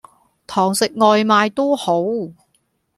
堂食外賣都好